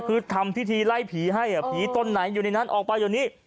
คือทำพิธีไล่ผีให้ผีต้นไหนอยู่ในนั้นออกไปเดี๋ยวนี้